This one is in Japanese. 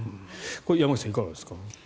山口さん、いかがですか。